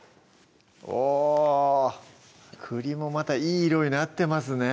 お栗もまたいい色になってますね